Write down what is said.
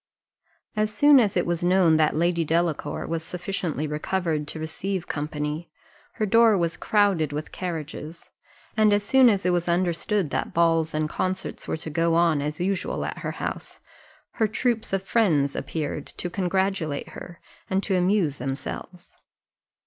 As soon as it was known that Lady Delacour was sufficiently recovered to receive company, her door was crowded with carriages; and as soon as it was understood that balls and concerts were to go on as usual at her house, her "troops of friends" appeared to congratulate her, and to amuse themselves.